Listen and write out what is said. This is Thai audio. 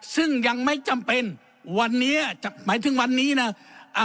ซึ่งยังไม่จำเป็นวันนี้หมายถึงวันนี้นะ